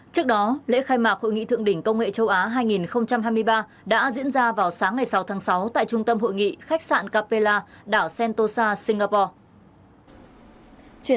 trước đó lễ khai mạc hội nghị thượng đỉnh công nghệ châu á hai nghìn hai mươi ba đã diễn ra vào sáng ngày sáu tháng sáu tại trung tâm hội nghị khách sạn capella đảo sentosa singapore